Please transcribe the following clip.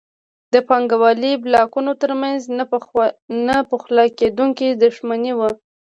د پانګوالۍ بلاکونو ترمنځ نه پخلاکېدونکې دښمني وه.